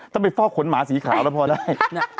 ต้องไปฝ้าขคลมหาสีขาวแล้วพอได้